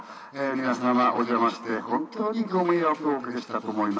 皆さまお邪魔して本当にご迷惑をおかけしたと思います。